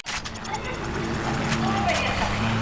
Participó en la Batalla de Stalingrado.